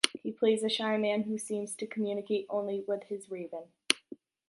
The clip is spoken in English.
He plays a shy man who seems to communicate only with his raven.